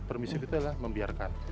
permisif itu adalah membiarkan